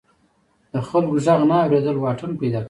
د خلکو غږ نه اوریدل واټن پیدا کوي.